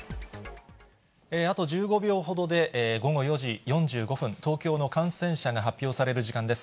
あと１５秒ほどで、午後４時４５分、東京の感染者が発表される時間です。